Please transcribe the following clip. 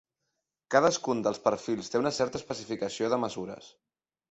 Cadascun dels perfils té una certa especificació de mesures.